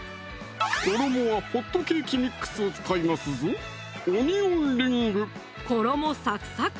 衣はホットケーキミックスを使いますぞ衣サクサク！